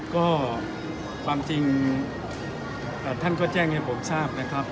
ก็ความจริงท่านก็แจ้งให้ผมทราบนะครับ